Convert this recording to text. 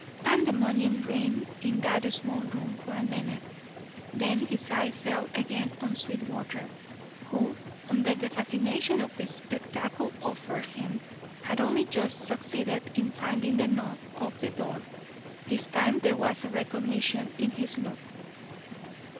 Pandemonium reigned in that small room for a minute, then his eye fell again on Sweetwater, who, under the fascination of the spectacle offered him, had only just succeeded in finding the knob of the door. This time there was recognition in his look.